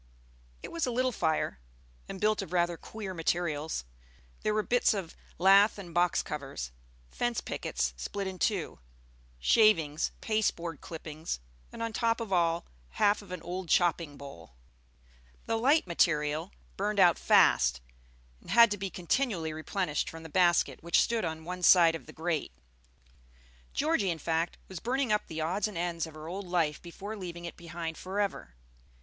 It was a little fire, and built of rather queer materials. There were bits of lath and box covers, fence pickets split in two, shavings, pasteboard clippings, and on top of all, half of an old chopping bowl. The light material burned out fast, and had to be continually replenished from the basket which stood on one side the grate. Georgie, in fact, was burning up the odds and ends of her old life before leaving it behind forever.